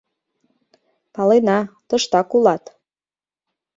Палена, тыштак улат.